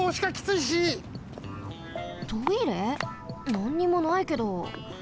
なんにもないけど。